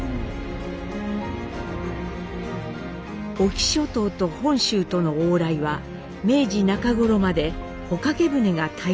隠岐諸島と本州との往来は明治中頃まで帆掛け船が頼り。